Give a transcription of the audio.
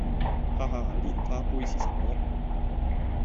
哈哈！蓮花杯是什麼？